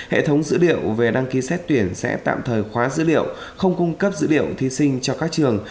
hệ thống dữ liệu về đăng ký xét tuyển sẽ tạm thời khóa dữ liệu không cung cấp dữ liệu thí sinh cho các trường